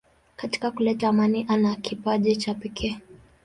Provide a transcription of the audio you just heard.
Katika kuleta amani ana kipaji cha pekee.